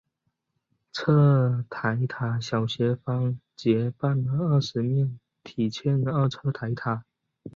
侧台塔小斜方截半二十面体欠二侧台塔。